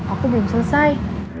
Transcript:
aku belum selesai